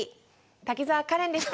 滝沢カレンでした。